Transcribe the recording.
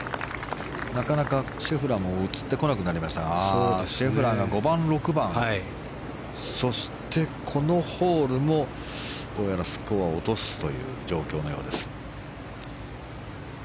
なかなかシェフラーも映ってこなくなりましたがシェフラーが５番、６番そしてこのホールもどうやらスコアを落とすという状況のようです。